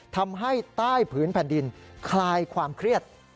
ทำให้ใต้ผืนแผ่นดินคลายความเครียด